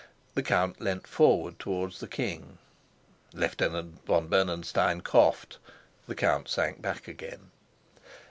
The count lent forward towards the king. Lieutenant von Bernenstein coughed. The count sank back again.